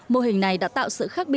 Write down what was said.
mô hình này đã tạo sự khác